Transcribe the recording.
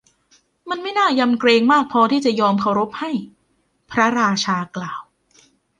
มันไม่น่ายำเกรงมากพอที่จะยอมเคารพให้ พระราชากล่าว